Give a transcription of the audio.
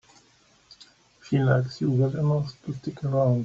She likes you well enough to stick around.